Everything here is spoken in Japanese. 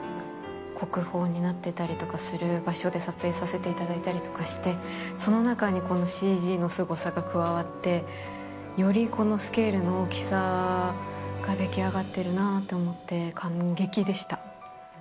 国宝になってたりとかする場所で撮影させていただいたりとかして、その中にこのＣＧのすごさが加わって、よりこのスケールの大きさが出来上がってるなって思って、感激でした。